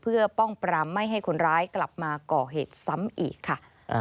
เพื่อป้องปรามไม่ให้คนร้ายกลับมาก่อเหตุซ้ำอีกค่ะ